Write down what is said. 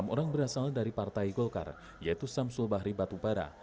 enam orang berasal dari partai golkar yaitu samsul bahri batubara